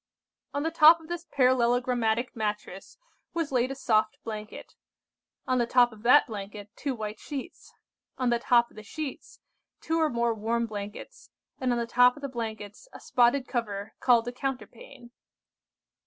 "On the top of this parallelogramatic mattress was laid a soft blanket. On the top of that blanket, two white sheets. On the top of the sheets, two or more warm blankets, and on the top of the blankets, a spotted cover called a counterpane.